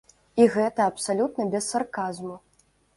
І гэта абсалютна без сарказму.